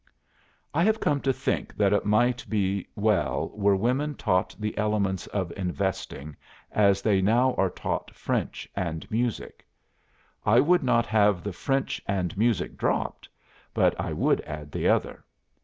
"I have come to think that it might be well were women taught the elements of investing as they are now taught French and Music. I would not have the French and Music dropped, but I would add the other.